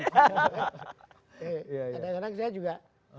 karena saya juga